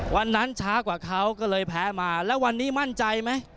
วันนั้นช้ากว่าเขาก็เลยแพ้มาแล้ววันนี้มั่นใจไหม